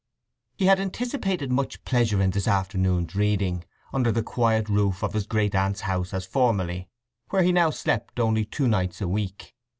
He had anticipated much pleasure in this afternoon's reading, under the quiet roof of his great aunt's house as formerly, where he now slept only two nights a week.